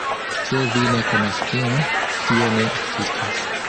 Se vi ne konas ion, tio ne ekzistas.